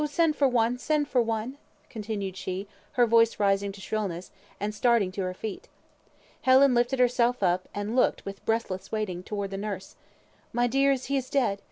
send for one, send for one," continued she, her voice rising to shrillness, and starting to her feet. Helen lifted herself up, and looked, with breathless waiting, towards nurse. "My dears, he is dead!